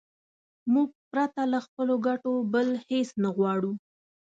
موږ پرته له خپلو ګټو بل هېڅ نه غواړو.